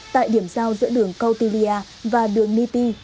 tại điểm sau giữa đường kautilya và đường niti